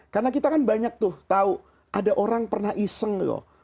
karena kita kan banyak tuh tahu ada orang pernah iseng loh